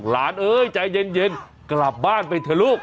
เอ้ยใจเย็นกลับบ้านไปเถอะลูก